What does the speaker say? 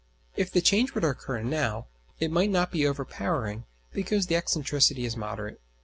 If the change were to occur now, it might not be overpowering, because now the excentricity is moderate.